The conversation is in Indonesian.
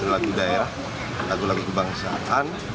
lalu lagu kebangsaan